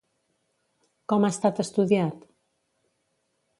Com ha estat estudiat?